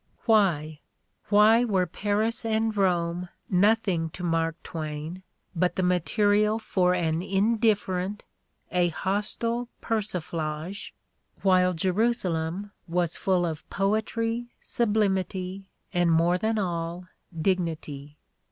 "Why? "Why were Paris and Eome nothing to Mark Twain but the material i62 The Ordeal of Mark Twain for an indifferent, a hostile persiflage, while Jerusalem was "full of poetry, sublimity, and, more than all, dignity"?